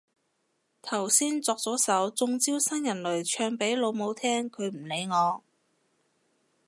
頭先作咗首中招新人類唱俾老母聽，佢唔理我